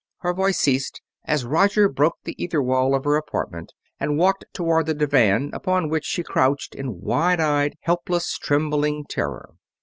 Her voice ceased as Roger broke the ether wall of her apartment and walked toward the divan, upon which she crouched in wide eyed, helpless, trembling terror.